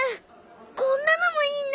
こんなのもいいな。